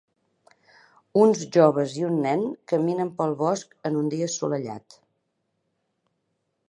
Uns joves i un nen caminen pel bosc en un dia assolellat.